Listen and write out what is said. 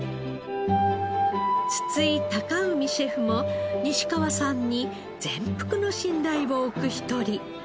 筒井崇海シェフも西川さんに全幅の信頼を置く一人。